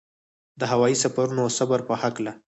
د هوايي سفرونو او صبر په هکله.